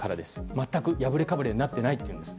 全く破れかぶれになっていないといいます。